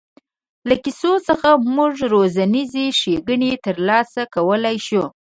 له کیسو څخه موږ روزنیزې ښېګڼې تر لاسه کولای شو.